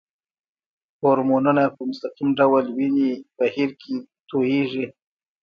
هورمونونه په مستقیم ډول وینې بهیر کې تویېږي.